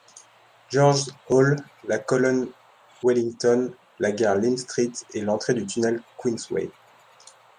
George's Hall, la colonne Wellington, la gare Lime Street et l'entrée du Tunnel Queensway.